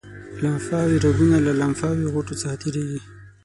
لمفاوي رګونه له لمفاوي غوټو څخه تیریږي.